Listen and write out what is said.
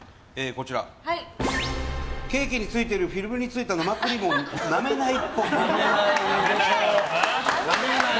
ケーキに付いているフィルムに付いた生クリームをなめないっぽい。